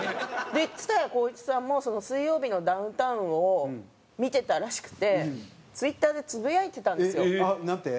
蔦谷好位置さんも『水曜日のダウンタウン』を見てたらしくてＴｗｉｔｔｅｒでつぶやいてたんですよ。なんて？